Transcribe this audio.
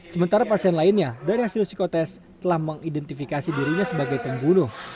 sementara pasien lainnya dari hasil psikotest telah mengidentifikasi dirinya sebagai pembunuh